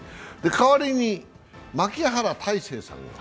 代わりに牧原大成さんが。